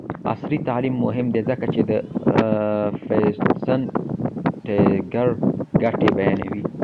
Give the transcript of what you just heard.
عصري تعلیم مهم دی ځکه چې د فټنس ټریکر ګټې بیانوي.